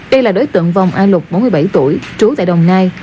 đây là đối tượng vòng a lục bốn mươi bảy tuổi trú tại đồng nai